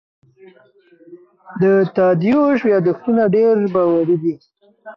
د تادیوش یادښتونه ډېر باوري دي.